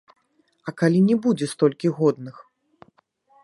А калі не будзе столькі годных?